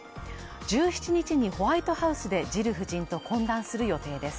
１７日にホワイトハウスでジル夫人と懇談する予定です。